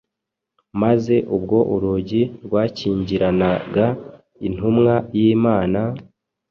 maze ubwo urugi rwakingiranaga intumwa y’Imana,